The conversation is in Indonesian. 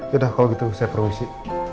yaudah kalo gitu saya prosesi